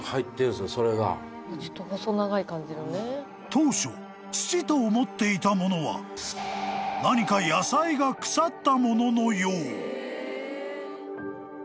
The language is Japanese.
［当初土と思っていたものは何か野菜が腐ったもののよう］